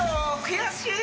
悔しい！